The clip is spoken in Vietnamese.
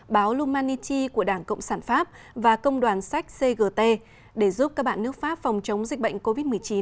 báo lumaniti của đảng cộng sản pháp và công đoàn sách cgt để giúp các bạn nước pháp phòng chống dịch bệnh covid một mươi chín